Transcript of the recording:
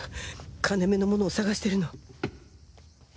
金目のものを探してるの？